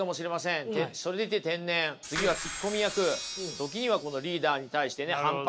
時にはこのリーダーに対してね反発。